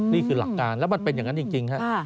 นี่คือหลักการแล้วมันเป็นอย่างนั้นจริงครับ